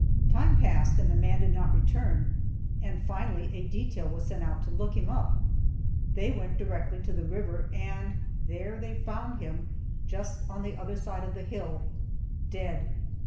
Time passed and the man did not return, and finally a detail was sent out to look him up. They went directly to the river, and there they found him, just on the other side of the hill dead.